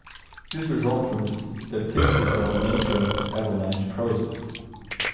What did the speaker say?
This results from the statistical nature of the avalanche process.